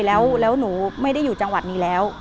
แล้วหนูไม่ได้อยู่จังหวัดนี้แล้ว